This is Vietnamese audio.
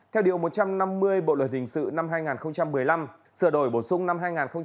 theo điều một trăm năm mươi bộ luật hình sự năm hai nghìn một mươi năm sửa đổi bổ sung năm hai nghìn một mươi bảy